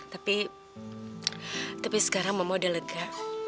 tapi tapi sekarang mama udah lega